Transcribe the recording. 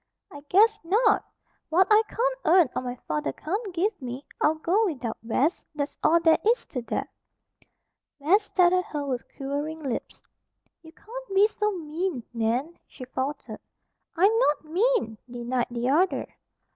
"I, guess, not! What I can't earn, or my father can't give me, I'll go without, Bess. That's all there is to that!" Bess stared at her with quivering lips. "You can't be so mean, Nan," she faltered. "I'm not mean!" denied the other.